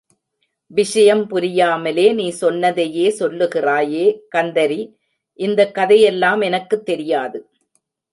விஷயம் புரியாமலே நீ சொன்னதையே சொல்லுகிறாயே, கந்தரி! இந்தக் கதையெல்லாம் எனக்குத் தெரியாது.